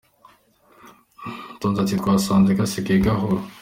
Uwitoze ati “Twasanze gasigaye gahura.